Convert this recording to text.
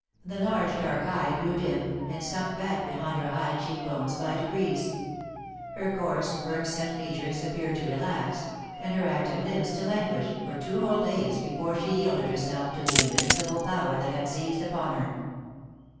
The large dark eye grew dim, and sunk back behind her high cheek bones by degrees. Her coarse firm set features appeared to relax, and her active limbs to languish, for two whole days before she yielded herself to the invincible power that had seized upon her.